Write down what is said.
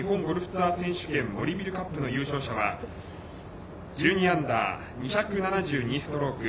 ツアー選手権森ビルカップの勝者は１２アンダー２７２ストローク